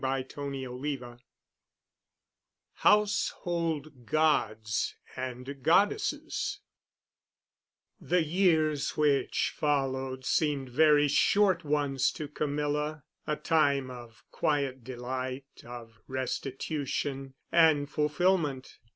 *CHAPTER XXVIII* *HOUSEHOLD GODS—AND GODDESSES* The years which followed seemed very short ones to Camilla—a time of quiet delight, of restitution, and fulfillment.